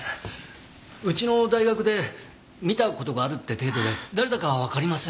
うちの大学で見た事があるって程度で誰だかわかりません。